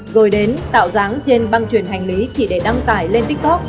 rồi đến tạo dáng trên băng truyền hành lý chỉ để đăng tải lên tiktok